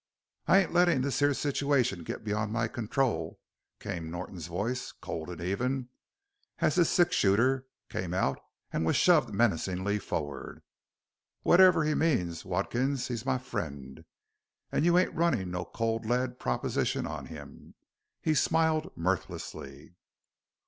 "I ain't lettin' this here situation get beyond my control," came Norton's voice, cold and even, as his six shooter came out and was shoved menacingly forward. "Whatever he means, Watkins, he's my friend an' you ain't runnin' in no cold lead proposition on him." He smiled mirthlessly.